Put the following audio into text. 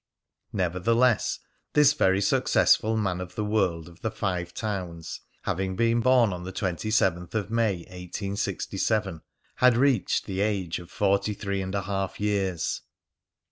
Nevertheless, this very successful man of the world of the Five Towns, having been born on the 27th of May, 1867, had reached the age of forty three and a half years.